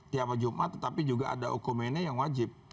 tiap jumat tapi juga ada hukum ini yang wajib